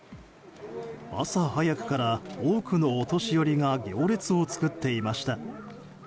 朝早くから多くのお年寄りが行列を作っていました。